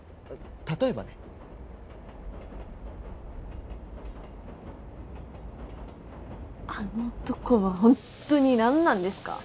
例えばねあの男はホントに何なんですか？